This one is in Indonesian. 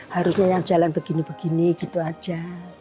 harusnya yang jalan begini begini gitu aja